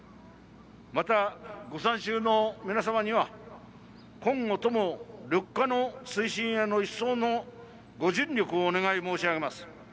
また、ご参集の皆様には今後とも緑化の推進への一層のご尽力をお願い申し上げます。